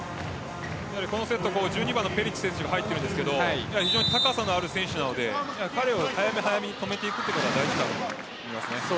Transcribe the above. このセット、１２番のペリッチ選手が入っているんですが非常に高さのある選手なので彼を早め早めに止めていくことが大事だと思います。